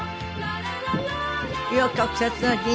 紆余曲折の人生。